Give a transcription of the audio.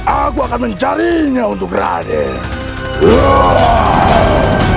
aku akan mencarinya untuk berani